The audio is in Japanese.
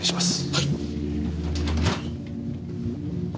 はい。